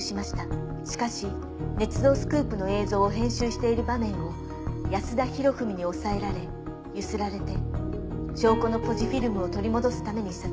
しかし捏造スクープの映像を編集している場面を安田博文に押さえられゆすられて証拠のポジフィルムを取り戻すために殺害しました」